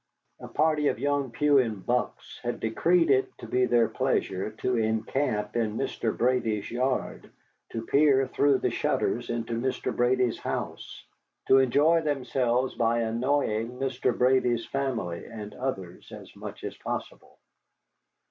A party of young Puan bucks had decreed it to be their pleasure to encamp in Mr. Brady's yard, to peer through the shutters into Mr. Brady's house, to enjoy themselves by annoying Mr. Brady's family and others as much as possible.